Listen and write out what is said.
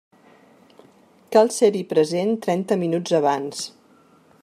Cal ser-hi present trenta minuts abans.